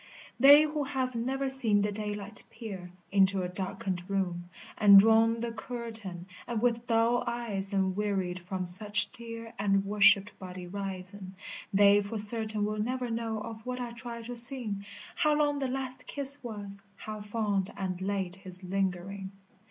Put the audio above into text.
/ [They who have never seen the daylight peer Into a darkened room, and drawn the curtain, And with doll eyes and wearied from some dear And worshiped body risen, they for certain Will never know of what I try to sing, How long the last kiss was, how fond and late his lingering.